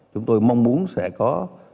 chúng tôi mong muốn sẽ có